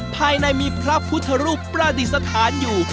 ภายในมีพระพุทธรูปประดิษฐานอยู่